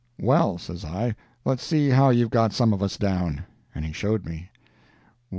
'Well,' says I, 'let's see how you've got some of us down.' And he showed me: "'Wm.